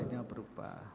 yang belakang berubah